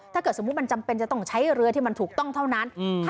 ถ้าเกิดสมมุติมันจำเป็นจะต้องใช้เรือที่มันถูกต้องเท่านั้น